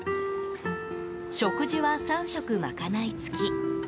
食事は３食賄いつき。